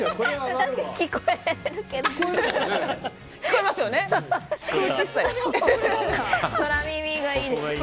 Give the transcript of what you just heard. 確かに聞こえるけど。